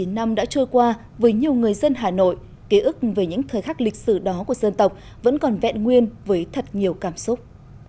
bốn mươi năm đã trôi qua với nhiều người dân hà nội ký ức về những thời khắc lịch sử đó của dân tộc vẫn còn vẹn nguyên với thật nhiều cảm xúc